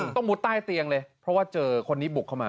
มุดใต้เตียงเลยเพราะว่าเจอคนนี้บุกเข้ามา